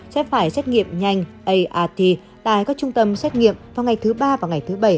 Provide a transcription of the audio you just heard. sẽ phải xét nghiệm nhanh art tại các trung tâm xét nghiệm vào ngày thứ ba và ngày thứ bảy